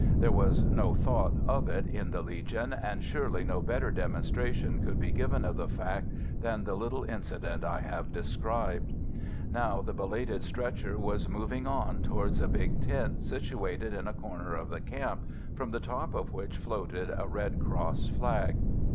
There was no thought of it in the Legion, and surely no better demonstration could be given of the fact than the little incident I have described. Now the belated stretcher was moving on towards a big tent situated in a corner of the camp, from the top of which floated a red cross flag.